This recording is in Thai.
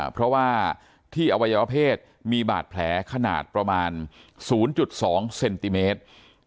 เพราะว่าที่อวัยวเพศมีบาดแผลขนาดประมาณ๐๒เซนติเมตร